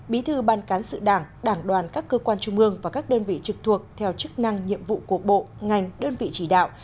bí thư ban cán sự đảng đảng đoàn các cơ quan trung mương và các đơn vị trực thuộc theo chức năng nhiệm vụ của bộ ngành đơn vị chỉ đạo